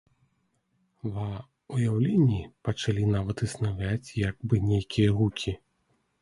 Ва ўяўленні пачалі нават існаваць як бы нейкія гукі.